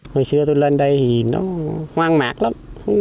hồi xưa tôi lên đây thì nó hoang mạc lắm